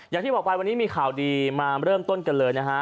อย่างที่บอกไปวันนี้มีข่าวดีมาเริ่มต้นกันเลยนะฮะ